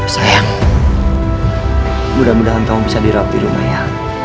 sayang mudah mudahan kamu bisa dirawat di rumah ya